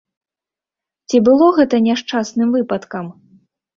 Ці было гэта няшчасным выпадкам?